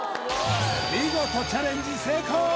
見事チャレンジ成功！